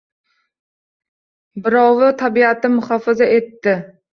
Birovi tabiatni muhofaza etdi.